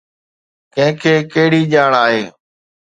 ڪنهن کي ڪهڙي ڄاڻ آهي؟